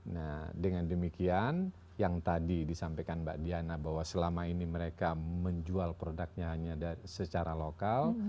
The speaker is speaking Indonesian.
nah dengan demikian yang tadi disampaikan mbak diana bahwa selama ini mereka menjual produknya hanya secara lokal